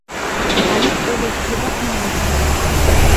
ალი ტყვედ ოხჴიდახ მინეშთე.